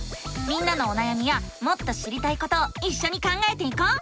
みんなのおなやみやもっと知りたいことをいっしょに考えていこう！